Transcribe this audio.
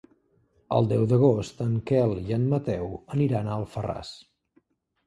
El deu d'agost en Quel i en Mateu aniran a Alfarràs.